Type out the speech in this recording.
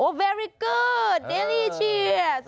โอ้เวอรี่เกอร์ดเดลลี่เชียส